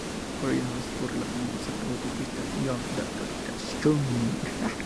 Por ella no discurre la famosa autopista Going-to-the-Sun.